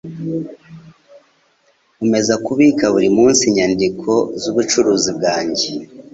Nkomeza kubika buri munsi inyandiko zubucuruzi bwanjye.